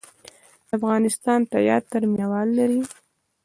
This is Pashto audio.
د افغانستان تیاتر مینه وال لري